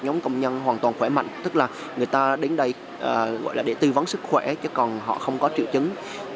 một nhóm công nhân hoàn toàn khỏe mạnh tức là người ta đến đây để tư vấn sức khỏe chứ còn họ không có triệu chứng